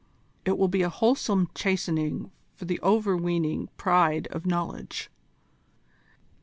It will be a wholesome chastening for the overweening pride of knowledge."